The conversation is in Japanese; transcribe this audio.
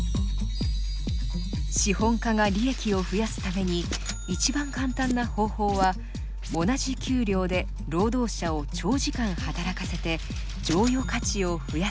資本家が利益を増やすために一番簡単な方法は同じ給料で労働者を長時間働かせて剰余価値を増やすことです。